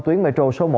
tuyến metro số một